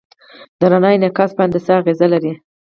د رڼا انعکاس په هندسه اغېز لري.